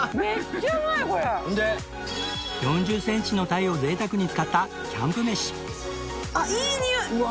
４０センチの鯛を贅沢に使ったキャンプ飯あっいいにおい。